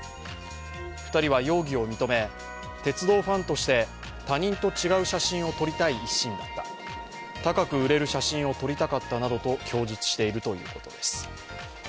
２人は容疑を認め、鉄道ファンとして他人と違う写真を撮りたい一心だった、高く売れる写真を撮りたかったなどと供述しているということです。